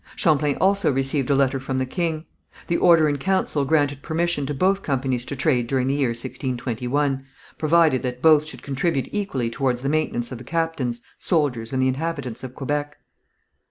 Champlain also received a letter from the king. The order in council granted permission to both companies to trade during the year 1621, provided that both should contribute equally towards the maintenance of the captains, soldiers, and the inhabitants of Quebec.